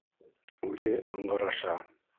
Үҙе ыңғыраша.